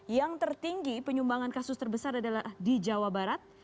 yang tertinggi penyumbangan kasus terbesar adalah di jawa barat